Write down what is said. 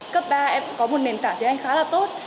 cấp ba em có một nền tảng tiếng anh khá là tốt